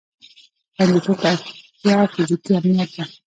خوندیتوب ته اړتیا فیزیکي امنیت ده.